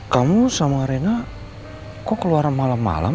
kamu sama reina kok keluar malam malam